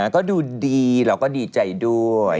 ก็ดูดีเราก็ดีใจด้วย